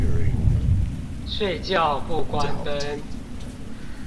睡覺不關燈